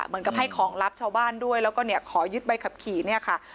เหมือนกับให้ของลับชาวบ้านด้วยแล้วก็เนี่ยขอยึดใบขับขี่เนี่ยค่ะ